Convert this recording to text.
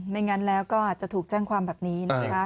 ไม่งั้นแล้วก็อาจจะถูกแจ้งความแบบนี้นะคะ